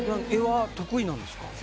絵は得意なんですか？